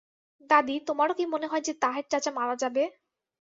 দাদী, তোমারও কি মনে হয় যে তাহের চাচা মারা যাবে?